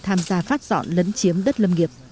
tham gia phát dọn lấn chiếm đất lâm nghiệp